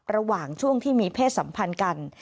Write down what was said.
ระหว่างช่วงที่มีเพศสัมพันธ์กัน